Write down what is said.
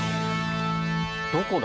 どこだ？